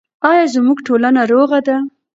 آیا زموږ ټولنه روغه ده؟